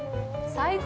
最高！